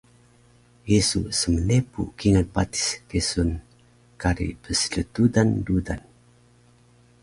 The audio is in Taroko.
Ye su smnepu kingal patis kesun “Kari pnsltudan rudan”?